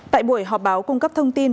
tại buổi họp báo cung cấp thông tin